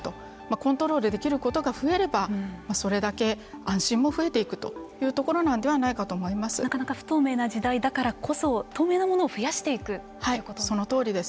コントロールできることが増えればそれだけ安心も増えていくというところなのではないかなかなか不透明な時代だからこそ透明なものをその通りです。